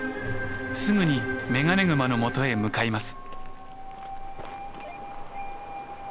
すぐにメガネグマのもとへ向かいます。